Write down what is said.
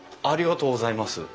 ありがとうございます。